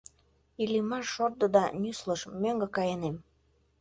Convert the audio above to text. Иллимар шорто да нюслыш: «Мӧҥгӧ кайынем!».